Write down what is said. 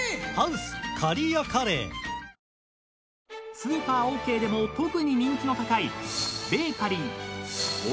［スーパーオーケーでも特に人気の高い］